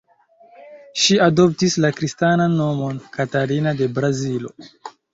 Ŝi adoptis la kristanan nomon "Katarina de Brazilo".